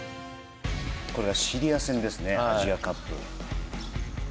これは、シリア戦ですねアジアカップの。